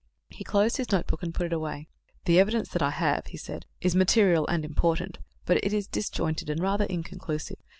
He closed his notebook and put it away. "The evidence that I have," he said, "is material and important; but it is disjointed and rather inconclusive.